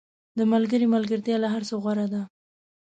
• د ملګري ملګرتیا له هر څه غوره ده.